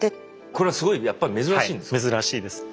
これはすごいやっぱり珍しいんですか。